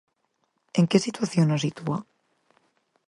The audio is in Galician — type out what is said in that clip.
¿En que situación nos sitúa?